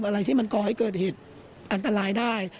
อะไรที่มันก่อให้เกิดเหตุอันตรายได้